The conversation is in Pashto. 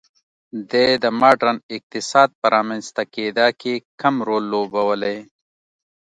دې د ماډرن اقتصاد په رامنځته کېدا کې کم رول لوبولی.